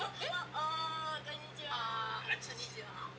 あこんにちは。